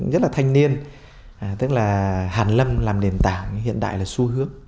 rất là thanh niên tức là hàn lâm làm nền tảng hiện đại là xu hướng